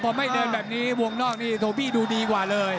พอไม่เดินแบบนี้วงนอกนี่โทบี้ดูดีกว่าเลย